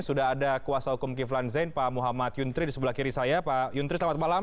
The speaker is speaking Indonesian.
sudah ada kuasa hukum kiflan zain pak muhammad yuntri di sebelah kiri saya pak yuntri selamat malam